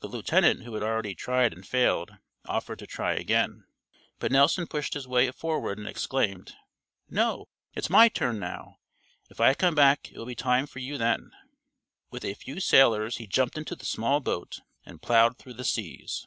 The lieutenant who had already tried and failed offered to try again, but Nelson pushed his way forward and exclaimed, "No, it's my turn now. If I come back it will be time for you then." With a few sailors he jumped into the small boat and ploughed through the seas.